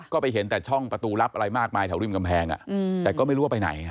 ก็ไปเห็นแต่ช่องประตูลับอะไรมากมายแถวริมกำแพงแต่ก็ไม่รู้ว่าไปไหน